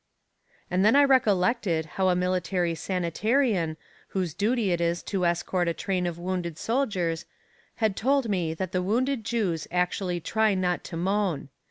And then I recollected how a military sanitarian, whose duty it is to escort a train of wounded soldiers, had told me that the wounded Jews actually try not to moan.